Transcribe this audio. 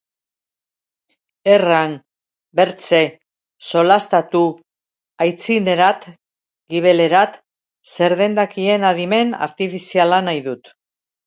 Erran, bertze, solastatu, aitzinerat, gibelerat... zer den dakien adimen artifiziala nahi dut.